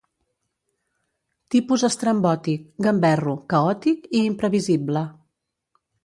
Tipus estrambòtic, gamberro, caòtic i imprevisible.